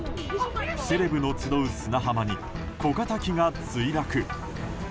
セレブの集う砂浜に小型機が墜落。